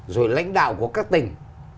rồi lãnh đạo của các tỉnh